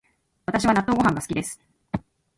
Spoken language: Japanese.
私は納豆ご飯が好きです